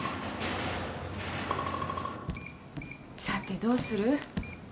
さてどうする？